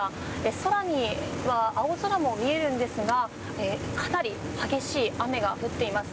空には青空も見えるんですがかなり激しい雨が降っています。